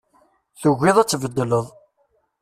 Tugiḍ ad tbeddleḍ.